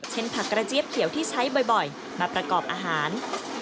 ผักกระเจี๊ยบเขียวที่ใช้บ่อยมาประกอบอาหาร